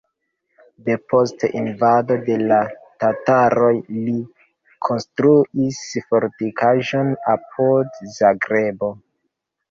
Depost invado de la tataroj li konstruis fortikaĵon apud Zagrebo.